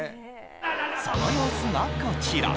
その様子がこちら